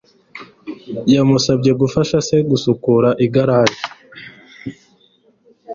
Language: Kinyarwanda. yamusabye gufasha se gusukura igaraje